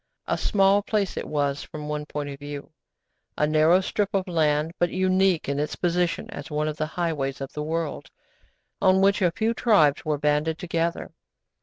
A small place it was from one point of view! A narrow strip of land, but unique in its position as one of the highways of the world, on which a few tribes were banded together.